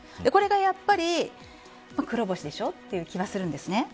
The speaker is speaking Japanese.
これがやっぱり黒星でしょという気がするんです。